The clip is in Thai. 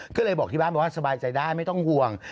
ก็เลยบอกที่บ้านว่าสบายใจได้ไม่ต้องห่วง